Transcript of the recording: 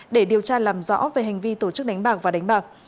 để điều tra làm rõ về hành vi tổ chức đánh bạc và đánh bạc